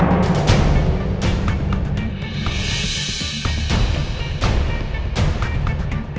orang yang bersama ibu di pandora cafe